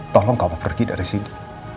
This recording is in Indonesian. tolong kamu pergi dari sini